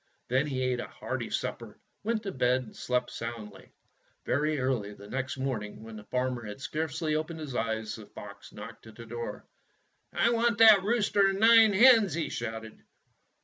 Then he ate a hearty supper, went to bed, and slept soundly. Very early the next morning, when the farmer had scarcely opened his eyes, the fox knocked at the door. 'T want that rooster and the nine hens!" he shouted.